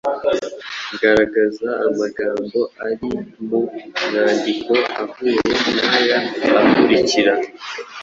Garagaza amagambo ari mu mwandiko ahuye n’aya akurikira